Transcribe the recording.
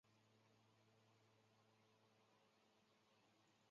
罗马统治时期塞浦路斯经济十分繁荣。